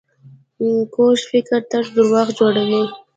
کوږ فکر تل دروغ جوړوي